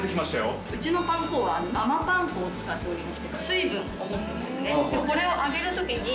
うちのパン粉は生パン粉を使っておりまして水分を持ってるんですねでこれを揚げる時に。